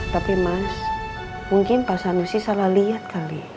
tapi mas mungkin pak sanusi salah lihat kali